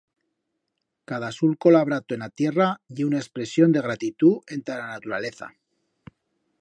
Cada sulco labrato en a tierra ye una expresión de gratitut enta ra naturaleza.